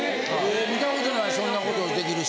見たことないそんなこと出来る人。